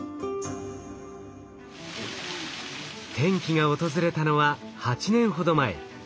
転機が訪れたのは８年ほど前。